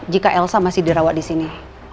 jika elsa masih dirawat disini